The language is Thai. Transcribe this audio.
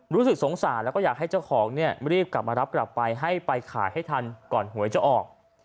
รู้สึกสงสารแล้วก็อยากให้เจ้าของเนี่ยรีบกลับมารับกลับไปให้ไปขายให้ทันก่อนหวยจะออก